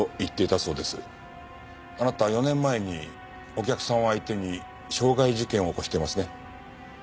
あなた４年前にお客さんを相手に傷害事件を起こしていますね。